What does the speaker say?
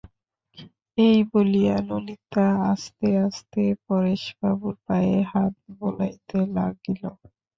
এই বলিয়া ললিতা আস্তে আস্তে পরেশবাবুর পায়ে হাত বুলাইতে লাগিল।